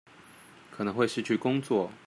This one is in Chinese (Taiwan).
可能會失去工作